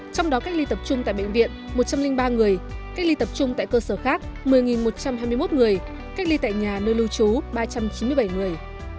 trong đó cách ly tập trung tại bệnh viện một trăm linh ba người cách ly tập trung tại cơ sở khác một mươi một trăm hai mươi một người cách ly tại nhà nơi lưu trú ba trăm chín mươi bảy người